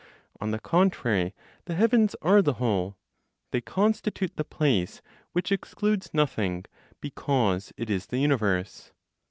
On the contrary, the heavens are the whole; they constitute the place which excludes nothing, because it is the universe.